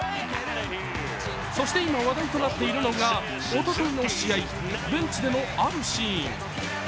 そして、今話題となっているのがおとといの試合、ベンチでのあるシーン。